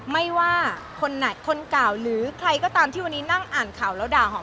ไม่ว่าคนไหนคนเก่าหรือใครก็ตามที่วันนี้นั่งอ่านข่าวแล้วด่าหอม